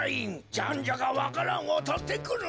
ジャンジャカわか蘭をとってくるのじゃ！